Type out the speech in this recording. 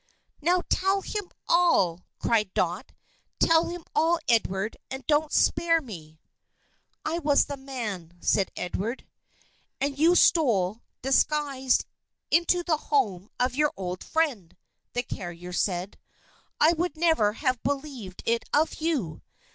"Now tell him all!" cried Dot. "Tell him all, Edward, and don't spare me." "I was the man," said Edward. "And you stole, disguised, into the home of your old friend!" the carrier said. "I would never have believed it of you!